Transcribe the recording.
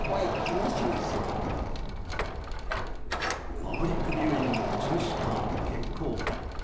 パブリックビューイングの中止か、決行か。